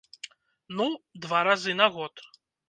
Ну, два разы на год.